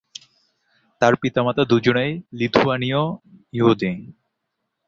তার পিতামাতা দুজনেই লিথুয়ানীয় ইহুদি।